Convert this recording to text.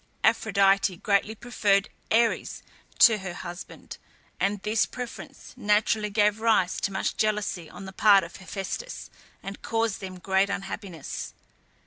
Aphrodite greatly preferred Ares to her husband, and this preference naturally gave rise to much jealousy on the part of Hephæstus, and caused them great unhappiness.